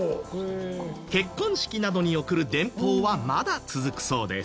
結婚式などに送る電報はまだ続くそうです。